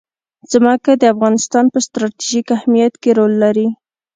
ځمکه د افغانستان په ستراتیژیک اهمیت کې رول لري.